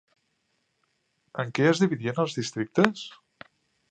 En què es dividien els districtes?